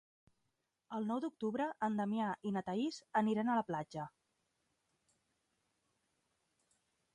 El nou d'octubre en Damià i na Thaís aniran a la platja.